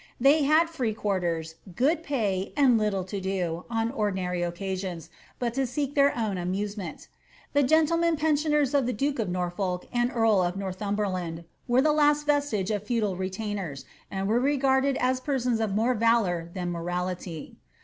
They had free quarters, good pay, and little to do, on ordinary occasions, but to seek their own tmusement The gentlemen pensioners of the duke of Norfolk and eari of Northumberland were the last vestige of feudal retainers, and were regarded as persons of more valour than morality.